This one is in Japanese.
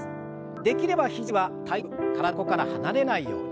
できれば肘は体側体の横から離れないように。